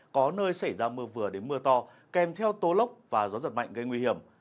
có nơi xảy ra mưa vừa đến mưa to kèm theo tố lốc và gió giật mạnh gây nguy hiểm